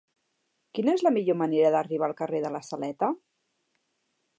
Quina és la millor manera d'arribar al carrer de la Saleta?